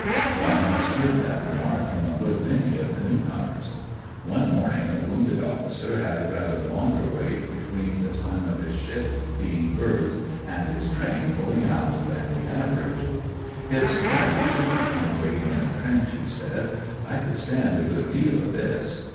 One has heard that remark from a good many of the new comers. One morning a womided officer had a rather longer wait between the time of his ship being berthed and his train pulling out than the average " It's rather different from waiting in a trench," he said ;" I could stand a good deal of this."